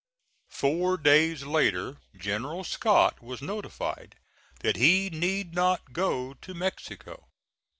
Four days later General Scott was notified that he need not go to Mexico.